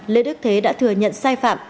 lê đức thế đã thừa nhận sai phạm